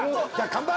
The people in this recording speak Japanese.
乾杯！